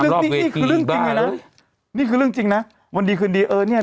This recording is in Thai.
จริงนี่คือเรื่องจริงเลยนะนี่คือเรื่องจริงนะวันดีคืนดีเออเนี้ย